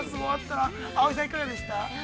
◆葵さん、いかがでした？